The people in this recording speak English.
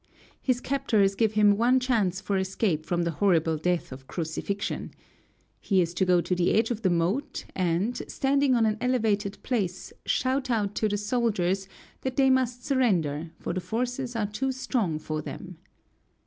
His captors give him one chance for escape from the horrible death of crucifixion. He is to go to the edge of the moat, and, standing on an elevated place, shout out to the soldiers that they must surrender, for the forces are too strong for them.